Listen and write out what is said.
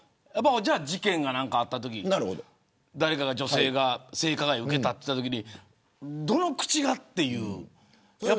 事件が何かあったとき誰かが、女性が性加害を受けたといったときにどの口がっていう。